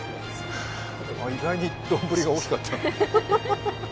意外に丼が大きかった。